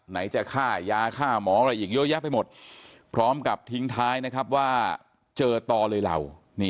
จะฆ่ายาฆ่าหมออะไรอีกเยอะแยะไปหมดพร้อมกับทิ้งท้ายนะครับว่าเจอต่อเลยเหล่า